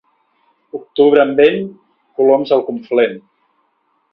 Octubre amb vent, coloms al Conflent.